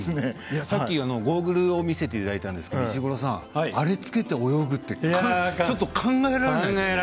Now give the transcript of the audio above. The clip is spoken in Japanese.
さっきゴーグルをつけさせてもらいましたけど石黒さん、あれをつけて泳ぐって考えられないですよね？